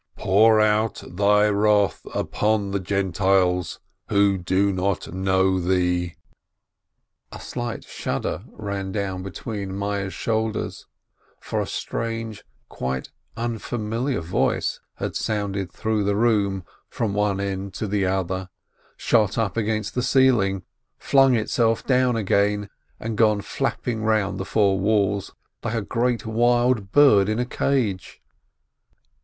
"Pour out Thy wrath upon the Gentiles, who do not know Thee !" A slight shudder ran down between Meyerl's shoul ders, for a strange, quite unfamiliar voice had sounded IF IT WAS A DEEAM 489 through the room from one end to the other, shot up against the ceiling, flung itself down again, and gone flapping round the four walls, like a great, wild bird in a cage.